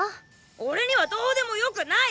俺にはどーでもよくない！